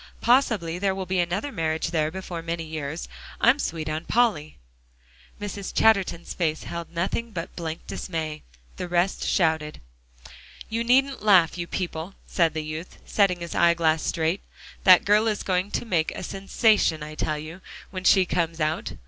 "Possibly there will be another marriage there before many years. I'm sweet on Polly." Mrs. Chatterton's face held nothing but blank dismay. The rest shouted. "You needn't laugh, you people," said the youth, setting his eyeglass straight, "that girl is going to make a sensation, I tell you, when she comes out.